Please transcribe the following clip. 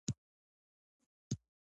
ایا زه باید وروسته پاتې شم؟